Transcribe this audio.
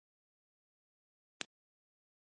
پنېر د شکر پر وخت خوند لري.